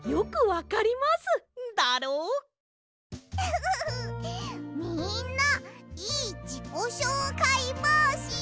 フフフッみんないいじこしょうかいぼうしだね！